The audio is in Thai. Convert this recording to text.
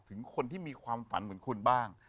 ถึงคนที่มีความฝันเหมือนคุณบ้าง